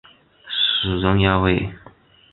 死人呀喂！